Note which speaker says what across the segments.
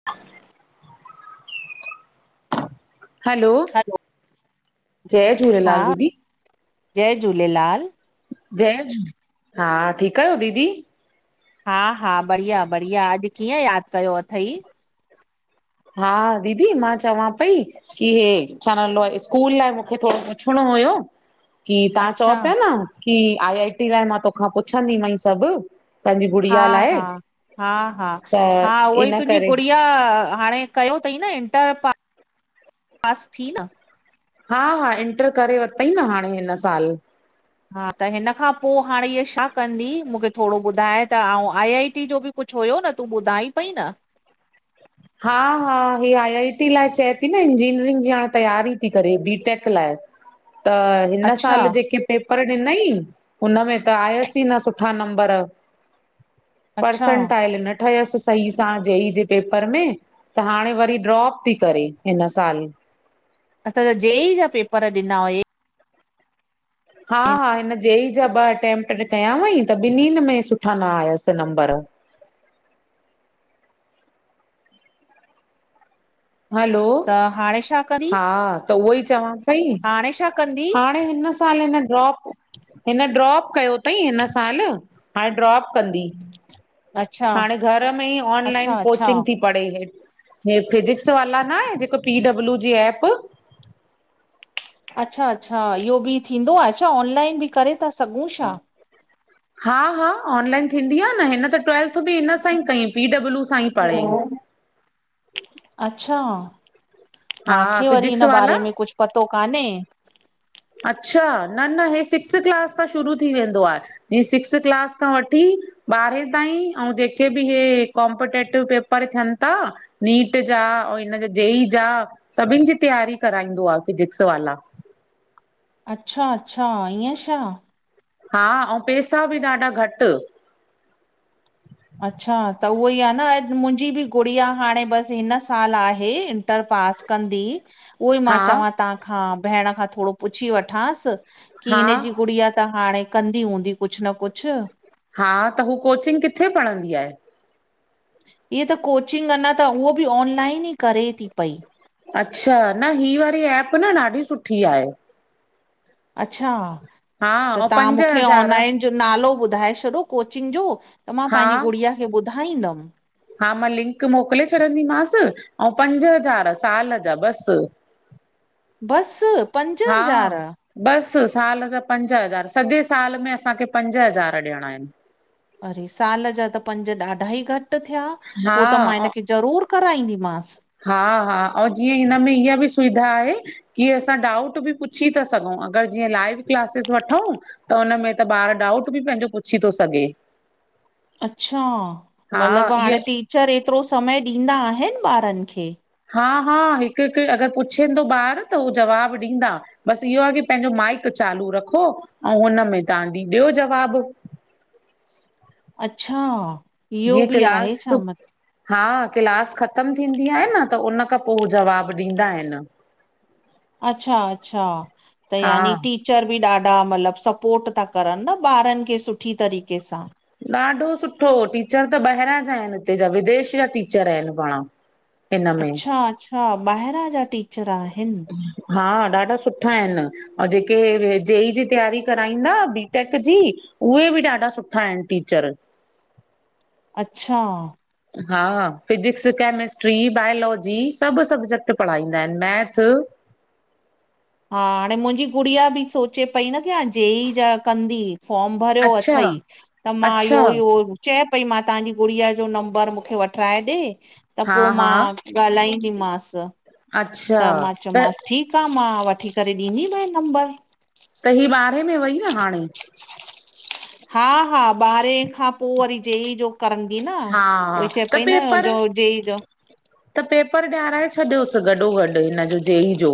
Speaker 1: [inaudible] Hello,
Speaker 2: hello
Speaker 1: जय
Speaker 2: हा
Speaker 1: झूलेलाल दीदी।
Speaker 2: जय झूलेलाल
Speaker 1: हा, ठीक आहियो दीदी?
Speaker 2: हा- हा, बढ़िया- बढ़िया, अॼु कीअं याद कयो अथई?
Speaker 1: हा दीदी मां चवां पई कि हे छा नालो स्कूल लाइ मूंखे थोडो पुछणो हुयो। कि तां चओ
Speaker 2: अच्छा
Speaker 1: प्या ना कि आई आई टी लाइ मां तोखां पुछंदी मई सब!
Speaker 2: हा हा, हा हा,
Speaker 1: त
Speaker 2: हा उह ई
Speaker 1: इन
Speaker 2: तुंहिंजी
Speaker 1: करे
Speaker 2: गुड़ी इहा हाणे कयो अथई न इंटर पास पास थी न।
Speaker 1: हा- हा, इंटर करे वरतंई न हाणे हिन साल।
Speaker 2: हा त हिन खां पो हाणे इह छा कंदी मूंखे थोडो ॿुधाए त ऐं आई आई टी जो बि कुछ हुयो न तूं ॿुधाई पई न।
Speaker 1: हा हा ही आई आई टी लाइ चए थी न इंजीनियरिंग जी हाणे तयारी थी करे बीटेक लाइ। त हिन
Speaker 2: अच्छा
Speaker 1: साल जेके पेपर ॾिनई हुनमें त आयसीं न सुठा नंबर
Speaker 2: अच्छा
Speaker 1: पर्सेंटाइल न ठयस सही सां जे ई जे पेप पेपर में त हाणे वरी ड्रॉप थी करे हिन साल।
Speaker 2: अच्छा त जे ई जा पेपर ॾिना हुयइ।
Speaker 1: हा हा हिन जे ई जा ॿ अटैम्पट कया हुई त ॿिन्नि में सुठा न आयस नंबर। हलो
Speaker 2: त हाणे छा कंदी
Speaker 1: हा त उहो ई चवां पेई
Speaker 2: हाणे छा कंदी
Speaker 1: हा हाणे हिन साल हिन ड्रॉप हिन ड्रॉप कयो तई हिन साल हाणे ड्रॉप कंदी।
Speaker 2: अच्छा
Speaker 1: हाणे घर में ई ऑनलाइन
Speaker 2: अच्छा अच्छा
Speaker 1: कोचिंग थी पढ़े हे हे फिजिक्स वाला नाहे जेको पी डब्लू जी एप
Speaker 2: अच्छा अच्छा इहो बि थींदो आ छा ऑनलाइन बि करे था सघूं छा।
Speaker 1: हा हा ऑनलाइन थींदी आ न। हिन त ट्वेल्थ बि हिन सां ई कई पी डब्लू सां ई पढ़ियईं।
Speaker 2: अच्छा
Speaker 1: हा
Speaker 2: माखे वरी
Speaker 1: फिजिक्स
Speaker 2: हिन बारे
Speaker 1: वाला
Speaker 2: में कुछ पतो कान्हे।
Speaker 1: अच्छा न न हे सिक्स क्लास खां शुरू थी वेंदो आहे ह सिक्स क्लास खां वठी ॿारहें ताईं ऐं जेके बि इहे कॉम्पटेटिव पेपर थियन ता नीट जा ऐं हिनज जेई जा सभिनन जी तयारी कराईंदो आ फिजिक्स वाला
Speaker 2: अच्छा अच्छा ईअं छा?
Speaker 1: हा ऐं पैसा बि ॾाढा घट
Speaker 2: अच्छा त उहोई आ न अॼु मुंहिंजी बि गुड़िया हाणे बस हिन साल आहे। पास कंदि उहही मा
Speaker 1: हा
Speaker 2: चवा त्वहा खां भेॾ खां थोडो पुछी वठांस की
Speaker 1: हा
Speaker 2: हिनजी गुड़िया त हाणे कंदी हूंदी कुछ न कुछ।
Speaker 1: हा त हू कोचिंग किथे पढ़ंदी आहे
Speaker 2: हीअ त कोचिंग अञा त उहो भी ऑनलाइन ई करे ती पई
Speaker 1: अच्छा न ही वारी एप न ॾाढी सुठी आहे।
Speaker 2: अच्छा।
Speaker 1: हा
Speaker 2: त
Speaker 1: ऐं
Speaker 2: तव्हां
Speaker 1: पंज
Speaker 2: मूंखे
Speaker 1: हज़ार
Speaker 2: ऑनलाइन जो नालो ॿुधाए छॾो कोचिंग जो त मां
Speaker 1: हा
Speaker 2: पंहिंजी गुड़िया खे ॿुधाईंदम।
Speaker 1: हा मां लिंक मोकले छॾंदीमांस ऐं पंज हज़ार साल जा बस
Speaker 2: बस पंज
Speaker 1: हा
Speaker 2: हज़ार।
Speaker 1: बस साल जा पंज हज़ार सॼे साल में असांखे पंज हज़ार ॾेयणा आहिन।
Speaker 2: अरे। साल जा त पंज ॾाढा ई घट थया पोइ त मां हिन
Speaker 1: हा
Speaker 2: खे ज़रूर कराईंदीमांस।
Speaker 1: हा हा ऐं जीअं हिनमें इहा बि सुविधा आहे कि असां डाउट बि पुछी था सघूं अगरि जीअं लाइव क्लासिस वठूं त हुनमें त ॿारु डाउट बि पंहिंजो पुछी थो सघे।
Speaker 2: अच्छा
Speaker 1: हा
Speaker 2: मतलबु हाणे
Speaker 1: इहा
Speaker 2: टीचर एतिरो समय ॾींदा आहिनि ॿारनि खे?
Speaker 1: हा हा हिकु हिकु अगरि पुछ थो ॿार त उहो जवाबु ॾींदा बसि इहो आहे की पंहिंजो माइक चालू रखो ऐं हुनमें तव्हांजी ॾियो जवाबु।
Speaker 2: अचछा।
Speaker 1: जीअं क्लास हा, क्लास ख़तम थींदी आहे न त उन खां पो हू जवाबु ॾींदा आहिनि।
Speaker 2: अच्छा- अच्छा त
Speaker 1: हा
Speaker 2: यानी कि टीचर बि ॾाढा मतलबु स्पोर्ट ता करनि न ॿारनि खे सुठी तरीक़े सां,
Speaker 1: ॾाढो सुठो, टीचर त ॿाहिरां जा आहिनि हिते जा विदेश जा टीचर आहिनि पाण, हिन में
Speaker 2: अच्छा- अच्छा ॿाहिरां जा टीचर आहिनि,
Speaker 1: हा, ॾाढा सुठा आहिनि। अउं जेके हे, जे ई जी तैयारी कराईंदा बीटेक जी, उहे बि ॾाढा सुठा आहिनि, टीचर।
Speaker 2: अच्छा,
Speaker 1: हा, फिजिक्स, कैमेिस्ट्री, बायोलॉजी सभु सब्जेक्ट पढ़ाईंदा आहिनि, मैथ
Speaker 2: हा, हाणे मुंहिंजी गुड़िया बि सोचे पई न की हाणे जे ई जा कंदी। फॉम भरियो
Speaker 1: अच्छा
Speaker 2: अथई त मां
Speaker 1: अच्छा
Speaker 2: इहो इहो चए पई मां तव्हांजी गुड़िया जो नंबर मूंखे वठराए ॾे त
Speaker 1: हा
Speaker 2: पो
Speaker 1: हा
Speaker 2: मां ॻाल्हाईंदी मांसि।
Speaker 1: अच्छा
Speaker 2: त मां
Speaker 1: त
Speaker 2: चयोमांसि ठीकु आ मां वठी करे ॾींदीमें नंबर।
Speaker 1: त ही ॿारहें में वई न हाणे?
Speaker 2: हा -हा, ॿारहें खां पो वरी जेई जो करंदीय न,
Speaker 1: हा
Speaker 2: उएई चये
Speaker 1: त
Speaker 2: पई न
Speaker 1: पेपर
Speaker 2: जो जे ई जो
Speaker 1: त पेपर ॾियाराए छॾियोसि गॾो गॾु हिन जो जे ई जो,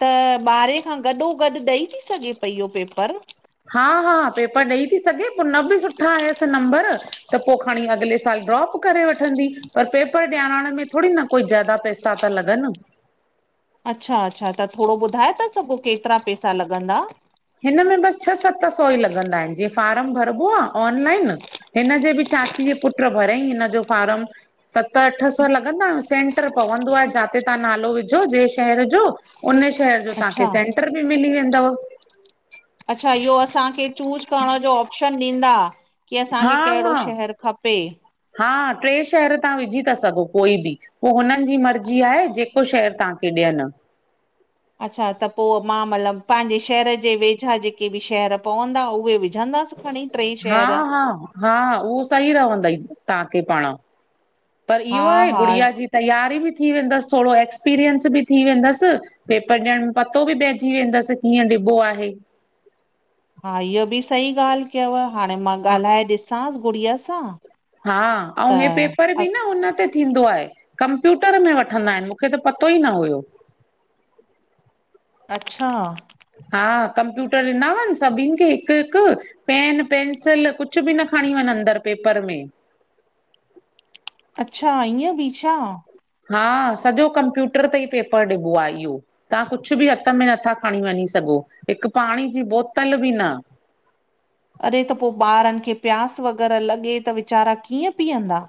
Speaker 2: त ॿारहें खां गॾो गॾु ॾेई ती सघे पई इहो पेपर?
Speaker 1: हा- हा, पेपर ॾेई ती सघे पो न बि सुठा आयसि नंबर त पो खणी अॻिले साल ड्रॉप करे वठंदी, पर पेपर ॾियारण में थोड़ी न, कोई ज़्यादा पैसा ता लॻनि।
Speaker 2: अच्छा -अच्छा, त थोड़ो ॿुधाए ता सघो, केतिरा पैसा लॻंदा?
Speaker 1: हिन में बसि छह सत सौ ई लॻंदा आहिनि, जीअं फार्म भरिबो आ ऑनलाइन, हिनजे बि चाची जे पुट भरियईं हिनजो फार्म। सत अठ सौ लॻंदा सेंटर पवंदो आ, जाते तव्हां नालो विझो जहिं शहर जो उन शहर जो तव्हांखे
Speaker 2: अच्छा
Speaker 1: सेंटर बि मिली वेंदव।
Speaker 2: अच्छा, इहो असांखे चूस करण जो ऑप्शन ॾींदा? की असांखे
Speaker 1: हा
Speaker 2: कहिड़ो
Speaker 1: हा
Speaker 2: शहरु खपे?
Speaker 1: हा, ट्रे शहर तव्हां विझी ता सघो कोई बि। पो हुननि जी मर्ज़ी आहे जेको शहर तव्हांखे ॾियनि।
Speaker 2: अच्छा, त पो मां मतलबु पंहिंजे शहर जे वेझा जेके बि शहर पवंदा उहे विझंदासि खणी। टे
Speaker 1: हा
Speaker 2: शहर
Speaker 1: -हा -हा, उहो सही रहंदई तव्हांखे पाण, पर
Speaker 2: हा
Speaker 1: इहो आहे
Speaker 2: हा
Speaker 1: गुड़िया जी तैयारी बि थी वेंदसि, थोड़ो एक्सपीरियंस बि थी वेंदसि। पेपर ॾियण में पतो बि पहिजी वेंदसि कीअं ॾिबो आहे,
Speaker 2: हा, इहो बि सही ॻाल्हि कयव, हाणे मां ॻाल्हाए ॾिसांसि गुड़िया सां।
Speaker 1: हा,
Speaker 2: त
Speaker 1: अउं हे पेपर
Speaker 2: अ-
Speaker 1: बि न हुन ते थींदो आहे कंप्यूटर में वठंदा आहिनि, मूंखे त पतो ई न हुयो।
Speaker 2: अच्छा,
Speaker 1: हा, कंप्यूटर ॾिना हुनि सभिननि खे हिकु- हिकु, पेन पेंंसिल कुछ ॿि न खणी वञ अंदरि पेपर में
Speaker 2: अच्छा, ईअं ॿि छा?
Speaker 1: हा, सॼो कंप्यूटर ते ई पेपर ॾिबो आ ईहो तव्हां कुछ ॿि हथ में नथा खणी वञी सघो। हिकु पाणी जी बोतल ॿि न।
Speaker 2: अरे त पो ॿारनि खें प्यास वग़ैरह लॻे त वीचारा कीअं पीअंदा?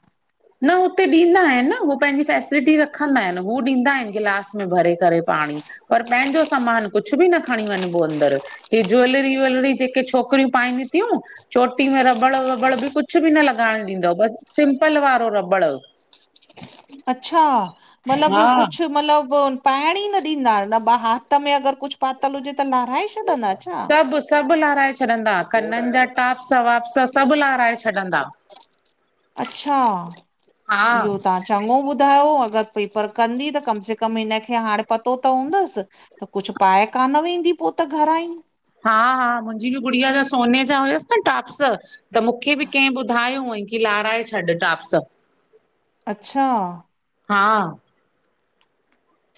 Speaker 1: न हुते ॾींदा आहिनि न, उ पंहिंजी फैसिलिटी रखंदा आहिनि। हू ॾींदा आहिनि गिलास में भरे करे पाणी। पर पंहिंॼो समान कुछ ॿि न खणी वञिॿो अंदर। ऐ ज्वैलरी व्वलरी ॼेके छोकिरियूं पाइनि थियूं चोटी में रबड़ वबड़ ॿि कुछ ॿि न लॻाइणु ॾींदो ॿस सिम्पल वारो रबड़
Speaker 2: अच्छा!
Speaker 1: हा
Speaker 2: मतलब कुछ मतलब पाइण ई न ॾींदा, न हथ में अगर कुछ पातल हुॼे त लाराहे छॾंदा छा?
Speaker 1: सभ, सभ लारिहाए छॾींदा कननि जा टाप्स वाप्स सभ लारिहाए छॾींदा।
Speaker 2: अच्छा!
Speaker 1: हा।
Speaker 2: इहो तव्हां चङो ॿुधायो अगर पेपर कंदी त कम से कम हिनखे हाणे पतो त हूंदसि। त कुछ पाए कान वेंदी, पो त घरां ही।
Speaker 1: हा, हा, मुंजी ॿि गुड़िया जा सोने जा हुयसि न टॉप्स, त मूंखे ॿि कैए ॿुधायो हुअईं। कि लाराहे छॾ टाप्स।
Speaker 2: अच्छा!
Speaker 1: हां।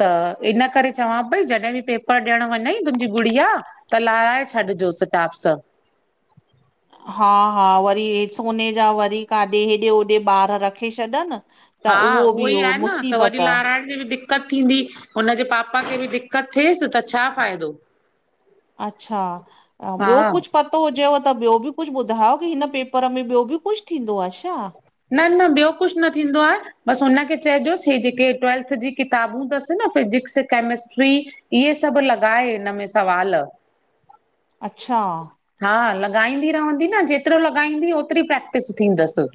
Speaker 1: त इन करे चवां पई जॾहिं ॿि पेपर ॾियण वञई तुंहिंजी गुॾिया त लाराहे छ़ॾॼोस टाप्स।
Speaker 2: हा, हा, वरी हे सोने ॼा वरी काॾे हेॾे होॾे ॿार रखे छॾनि त
Speaker 1: हां उहो
Speaker 2: बि
Speaker 1: ही
Speaker 2: हो
Speaker 1: आहे न त वरी
Speaker 2: मुसीबत आ
Speaker 1: लाराहिण। उन्ही‌ खे भी दिक्क़त थींदी, हुनॼे पापा खें ॿि दिक़त थिएसि, त छा फ़ाइदो।
Speaker 2: अच्छा!
Speaker 1: हा
Speaker 2: ॿियो कुछ प तो हुॼेव त ॿियो बि कुछ ॿुधायो कि हिन पेपर में ॿियो ॿि कुछ थींदो आ छा।
Speaker 1: न-न ॿियो कुछ न थींदो आ। ॿस हुन खे चइजोसि हे जेके ट्वेल्थ ॼी किताबूं तसि न फिॼिक्स कैमिस्ट्री इहे सभ लॻाए इनमें सवाल
Speaker 2: अच्छा!
Speaker 1: हां, लॻाईंदी रहंदी न जेतिरो लॻाईंदी ओतिरी प्रैक्टिस थींदसि।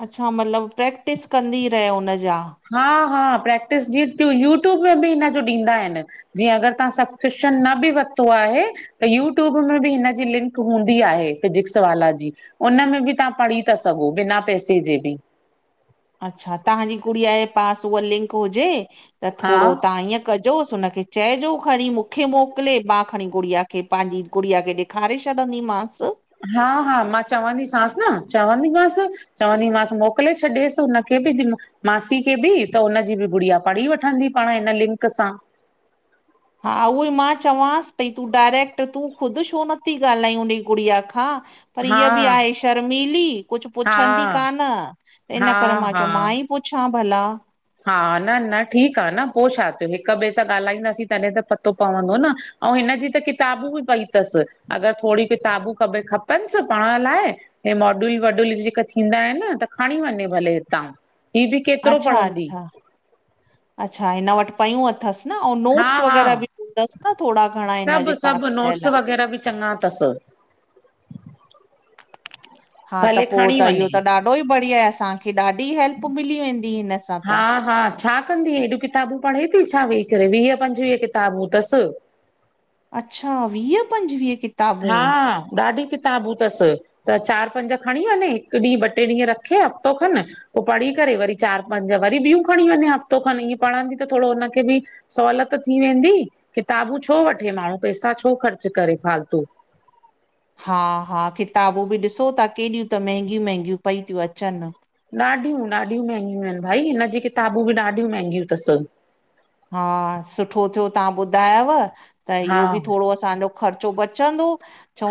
Speaker 2: अच्छा मतलब प्रैक्टिस कंदी रहे हुनजा।
Speaker 1: हा, हा, प्रैक्टिस जीअं यू ट्यूब में ॿि हिनॼो ॾींदा आहिनि। ॼीअं अगर तव्हां सबकृप्श़न न ॿि वतो आहे त यूट्यूब में ॿि हिनॼी लिंक हूंदी आहे फिजिक्सवाला ॼी। उन में ॿि तव्हां पढ़ी था सघो बिना पैसे जे ॿि।
Speaker 2: अच्छा तव्हांजी गुड़िया जे पास उहा लिंक हुजे त
Speaker 1: हा
Speaker 2: थोरो तव्हां ईअं कजोसि हुनखें चइजो खणी मूंखे मोकिले, मां खणी गुॾिया खें पांजी गुड़िया खें ॾेखारे छॾंदीमास।
Speaker 1: हा, हा, मां चवंदीसास न चवंदीमास चवंदीमासि मोकिले छॾियसि हुनखे ॿि मासी खे ॿि त, हुनॼी ॿि गुड़िया पढ़ी वठंदी पाण हिन लिंक सां।
Speaker 2: हा, उहो ही मां चवांसि पई तूं डायरेक्ट, तूं ख़ुद छो नथी ॻाल्हाई उनजी गुड़िया खां पर
Speaker 1: हा
Speaker 2: इह ॿि आहे शर्मिली, कुछ
Speaker 1: हा
Speaker 2: पुछंदी कान त इन
Speaker 1: हा
Speaker 2: करे मां चयो माई पुछां भला।
Speaker 1: हां, न न ठीक आ न पो छा थियो हिक ॿिए सां ॻाल्हाईंदासीं तॾहिं त पतो पवंदो न। आऊ हिनॼी त किताबूं ॿि पई तसि, अगर थोरी किताबूं खपनसि पढ़ण लाइ हे मॉड्यूल वॉड्यूल ॼेका थींदा आहिनि न त खणी वञे भले हितां। ही बि केतिरो पढ़ंदी
Speaker 2: अच्छा-अच्छा, अच्छा हिन वट पयूं अथसि न आउ
Speaker 1: हा
Speaker 2: नोट्स
Speaker 1: हा
Speaker 2: वग़ैरह ॿि दसि न थोड़ा घणा हिनॼे पास ठहियल आ।
Speaker 1: चॻां अथसि।
Speaker 2: हा, त
Speaker 1: भले
Speaker 2: पोइ
Speaker 1: खणी
Speaker 2: त इहो
Speaker 1: वञे
Speaker 2: त ॾाढो ई बढ़िया आहे। असांखे ॾाढी हेल्प मिली वेंदी हिन सां त।
Speaker 1: हा हा, छा कंदी हेॾूं किताबूं पढ़े थी छा वेही करे वीह -पंजवीह किताबूं अथसि।
Speaker 2: अच्छा, वीह-पंजवीह किता
Speaker 1: हा, ॾाढी किता किताबूं अथसि त चारि-पंज खणी वञे हिकु ॾींहुं ॿ टे ॾींहं रखे हफ़्तो खनि पोइ पढ़ी करे वरी चारि-पंज वरी ॿियूं खणी वञे हफ़्तो खनि ईअं पढ़ंदी त थोड़ो हुनखे बि सोलत थी वेंदी किताबूं छो वठे माण्हू पैसा छो ख़र्चु करे फालतू।
Speaker 2: हा-हा किताबूं बि ॾिसो था केॾियूं त महगियूं -महगियूं पई थियूं अचनि।
Speaker 1: ॾाढियूं-ॾाढियूं महगियूं आहिनि भाई हिनजी किताबूं बि ॾाढियूं महंगियूं अथसि।
Speaker 2: हा, सुठो थियो तव्हां ॿुधायव त
Speaker 1: हा
Speaker 2: इहो बि थोड़ो असांजो ख़र्चो बचंदो।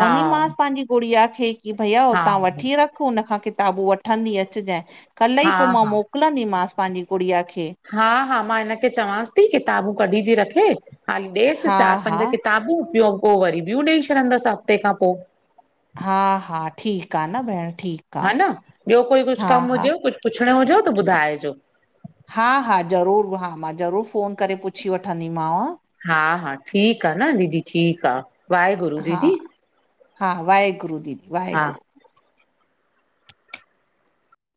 Speaker 1: हा
Speaker 2: मांस पंहिंजी गुॾिया खें की भैया
Speaker 1: हा
Speaker 2: हुतां वठी रख। हुन खां किताबू वठंदी अच जांइ कल्ह
Speaker 1: हा
Speaker 2: ई पोइ मां मोकिलंदी मांस पंहिंजी गुॾिया खे।
Speaker 1: हा-हा, मां हिनखे चवांस थी किताबूं कढी थी रखे हाली ॾेसि
Speaker 2: हा हा
Speaker 1: चारि-पंज किताबूं ब्यो पोइ वरी ॿियो ॾेई छॾंदसि हफ़्ते खां पोइ।
Speaker 2: हा-हा ठीकु आ न भेण ठीकु
Speaker 1: हे
Speaker 2: आहे
Speaker 1: न ॿियो कोई कुछु
Speaker 2: हा
Speaker 1: कमु
Speaker 2: हा
Speaker 1: हुजे कुछु पुछिणो हुजेव त ॿुधाइजो।
Speaker 2: हा-हा, ज़रूरु। हा, मां ज़रूरु फ़ोन करे पुछी वठंदी मांव।
Speaker 1: हा-हा, ठीकु आ न दीदी ठीकु आ।
Speaker 2: हा-हा वाहेगुरु दीदी
Speaker 1: हा
Speaker 2: वाहेगुरु।